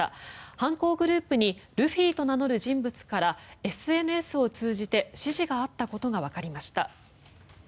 犯行グループにルフィと名乗る人物からＳＮＳを通じて指示があったことがわかりました。